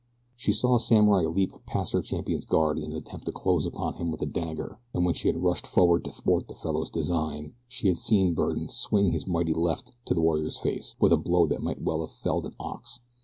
She saw a samurai leap past her champion's guard in an attempt to close upon him with a dagger, and when she had rushed forward to thwart the fellow's design she had seen Byrne swing his mighty left to the warrior's face with a blow that might well have felled an ox.